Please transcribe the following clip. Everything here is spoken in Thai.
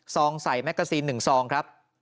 ใส่แมกกาซีน๑ซองครับ